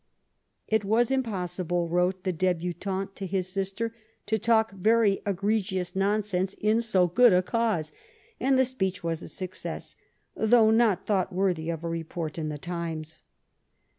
9 ^' It was impoBsible/' wrote the dHutant to his sister, ^' to talk very egregious nonsense in so good a cause/' and the speech was a sucoesSy though not thought worthy of a report in the Time9.